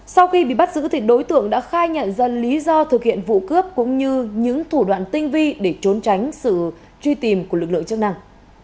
sau khi bị bắt giữ thì đối tượng đã khai nhận ra lý do thực hiện vụ cướp cũng như những thủ đoạn tinh vi để trốn tránh sự truy tìm của lực lượng chức năng